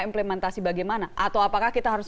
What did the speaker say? implementasi bagaimana atau apakah kita harus